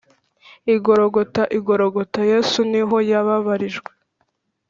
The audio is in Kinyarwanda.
i Gologota, i Gologota, Yesu ni ho yababarijwe.